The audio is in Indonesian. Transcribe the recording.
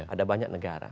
ada banyak negara